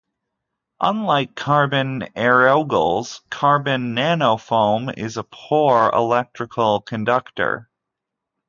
Unlike carbon aerogels, carbon nanofoam is a poor electrical conductor.